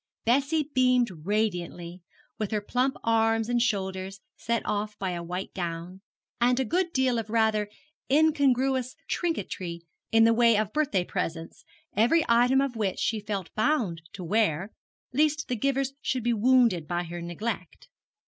Bessie beamed radiantly, with her plump arms and shoulders set off by a white gown, and a good deal of rather incongruous trinketry in the way of birthday presents, every item of which she felt bound to wear, lest the givers should be wounded by her neglect.